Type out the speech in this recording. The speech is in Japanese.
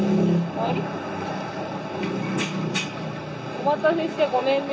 お待たせしてごめんね。